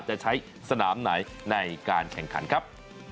จะใช้สนามไหนในการแข่งขันครับ